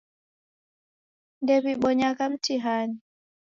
Ndew'ibonyagha mitihani